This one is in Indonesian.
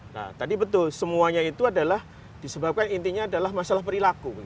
nah tadi betul semuanya itu adalah disebabkan intinya adalah masalah perilaku